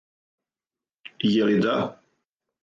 Је ли да?